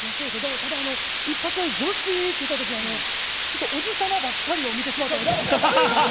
ただ、一発目女子！って言ったときちょっと、おじさまばっかり見てしまったので。